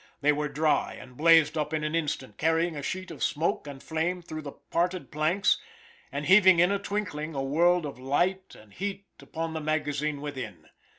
They were dry and blazed up in an instant, carrying a sheet of smoke and flame through the parted planks, and heaving in a twinkling a world of light and heat upon the magazine within.